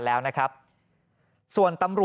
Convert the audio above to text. ปี๖๕วันเช่นเดียวกัน